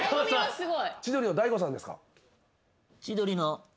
すごい。